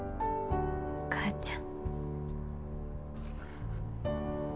お母ちゃん。